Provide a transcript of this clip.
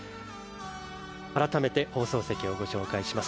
改めて、放送席をご紹介します。